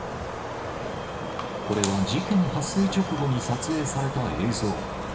これは事件発生直後に撮影された映像。